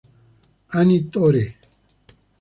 Ani Tore!